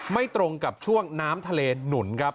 ตรงกับช่วงน้ำทะเลหนุนครับ